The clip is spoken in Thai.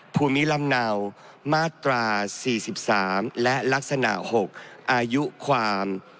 ภูมิลำเนามาตรา๔๓และลักษณะ๖อายุความ